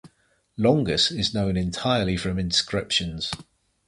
Longus is known entirely from inscriptions.